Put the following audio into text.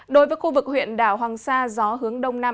đối với khu vực huyện đảo hoàng sa gió hướng đông nam